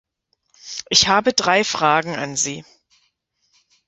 Ich habe drei Fragen an Sie.